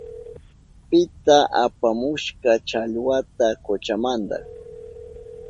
¿Pita apamushka challwata kuchamanta?